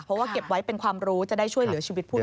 เพราะว่าเก็บไว้เป็นความรู้จะได้ช่วยเหลือชีวิตผู้